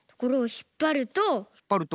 ひっぱると？